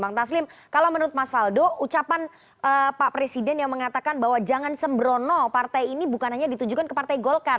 bang taslim kalau menurut mas faldo ucapan pak presiden yang mengatakan bahwa jangan sembrono partai ini bukan hanya ditujukan ke partai golkar